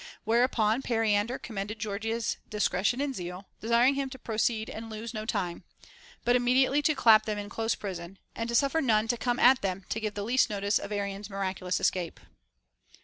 Whereunon Periander commended Gorgias's discretion and zeal, desiring him to proceed and lose no time, but immediately to clap them in close prison, and to suffer none to come at them to give the least notice of Arion's miraculous escape.